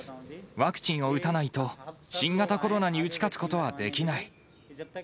ワクチンを打たないと、新型コロナに打ち勝つことはできない。